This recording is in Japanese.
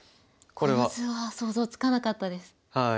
この図は想像つかなかったです。